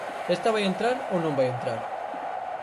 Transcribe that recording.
¿Esta vai entrar ou non vai entrar?